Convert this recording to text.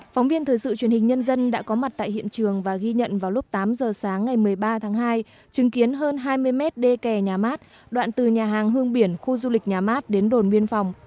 phóng viên thời sự truyền hình nhân dân đã có mặt tại hiện trường và ghi nhận vào lúc tám giờ sáng ngày một mươi ba tháng hai chứng kiến hơn hai mươi mét đê kè nhà mát đoạn từ nhà hàng hương biển khu du lịch nhà mát đến đồn biên phòng